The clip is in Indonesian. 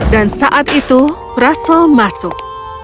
dan saat itu russell masuk